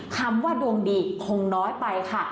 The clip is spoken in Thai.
คำว่าดวงดีคงน้อยไปค่ะ